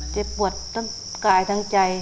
เจ็บปวดทั้งกายทั้งใจ